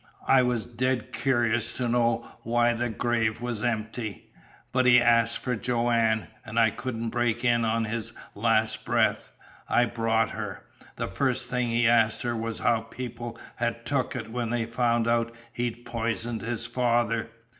I was dead cur'ous to know why the grave were empty! But he asked for Joanne, an' I couldn't break in on his last breath. I brought her. The first thing he asked her was how people had took it when they found out he'd poisoned his father!